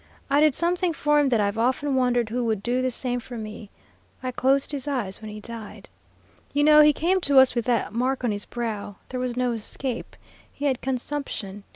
I did something for him that I've often wondered who would do the same for me I closed his eyes when he died. You know he came to us with the mark on his brow. There was no escape; he had consumption.